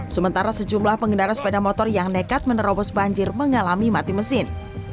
sementara sejumlah pengendara sepeda motor yang nekat menerobos banjir mengalami mati mesin